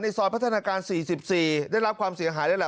ซอยพัฒนาการ๔๔ได้รับความเสียหายแล้วล่ะ